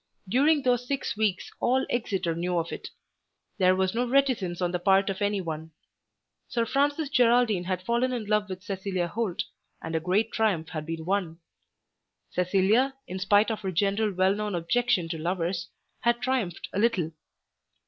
During those six weeks all Exeter knew of it. There was no reticence on the part of any one. Sir Francis Geraldine had fallen in love with Cecilia Holt and a great triumph had been won. Cecilia, in spite of her general well known objection to lovers, had triumphed a little.